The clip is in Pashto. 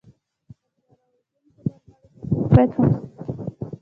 د حشره وژونکو درملو ساتنه باید خوندي وي.